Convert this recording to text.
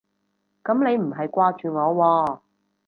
噉你唔係掛住我喎